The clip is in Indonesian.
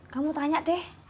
kamu tanya deh